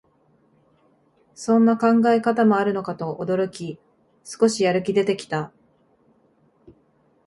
そんな考え方もあるのかと驚き、少しやる気出てきた